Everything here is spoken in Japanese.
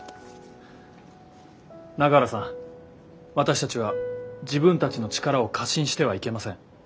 永浦さん私たちは自分たちの力を過信してはいけません。